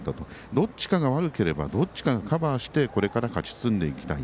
どっちかが悪ければどっちかが、カバーしてこれから勝ち進んでいきたい。